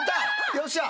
よっしゃ。